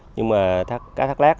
nhưng mà cá thác lát